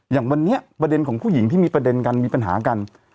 อย่างวันนี้ประเด็นของผู้หญิงที่มีประเด็นกันมีปัญหากัน